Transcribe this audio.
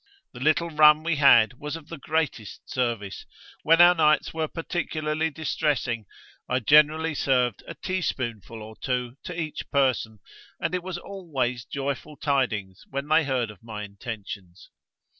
The little rum we had was of the greatest service: when our nights were particularly distressing, I generally served a teaspoonful or two to each person, and it was always joyful tidings when they heard of my intentions.